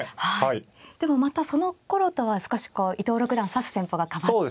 でもまたそのころとは少しこう伊藤六段指す戦法が変わって。